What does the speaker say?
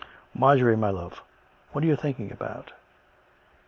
Marjorie, my love, what are you thinking about.''"